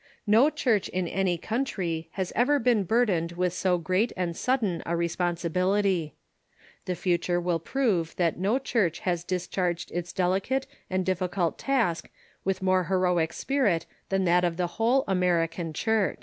No church in any country has ever been burdened with so gr^at and sudden a i*esponsi bility. The future will prove that no chui'ch has discharged its delicate and diflicult task with more heroic spirit than that of the whole American Church.